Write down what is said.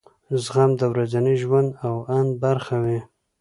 زغم د ورځني ژوند او اند برخه وي.